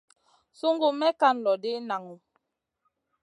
Sungu may kan loʼ ɗi, naŋu.